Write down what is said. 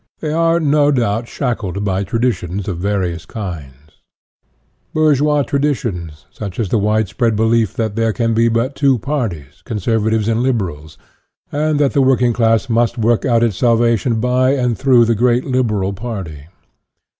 They are, no doubt, shackled by traditions of various kinds. Bour geois traditions, such as the widespread belief that there can be but two parties, Conservatives and Liberals, and that the working class must 44 INTRODUCTION work out its salvation by and through the great Liberal party.